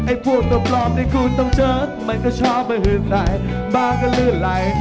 ไอ้พวกตัวปลอมได้คุณต้องเจอมันก็ชอบมันหืนใดบ้าก็ลื้อไหล